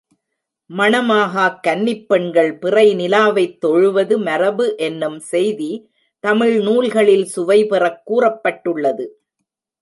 மணமாகாக் கன்னிப் பெண்கள் பிறை நிலாவைத் தொழுவது மரபு என்னும் செய்தி தமிழ் நூல்களில் சுவைபெறக் கூறப்பட்டுள்ளது.